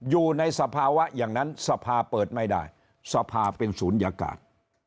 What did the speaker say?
อยู่ในสภาวะอย่างนั้นสภาเปิดไม่ได้สภาเป็นศูนยากาศ